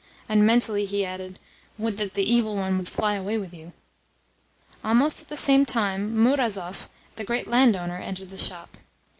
And mentally he added: "Would that the Evil One would fly away with you!" Almost at the same time Murazov, the great landowner, entered the shop.